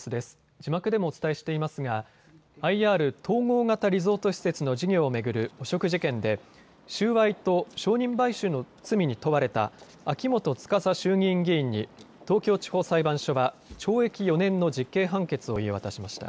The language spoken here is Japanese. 字幕でもお伝えしていますがＩＲ・統合型リゾート施設の事業を巡る汚職事件で収賄と証人買収の罪に問われた秋元司衆議院議員に東京地方裁判所は懲役４年の実刑判決を言い渡しました。